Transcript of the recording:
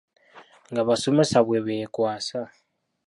Ng’abasomesa bwe beekwasa.